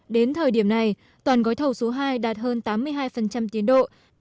đến thời điểm này toàn gói thầu số hai đạt hơn tám mươi hai tiến độ